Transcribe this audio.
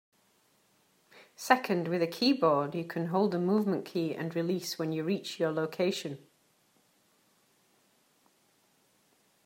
Second, with a keyboard you can hold a movement key and release when you reach your location.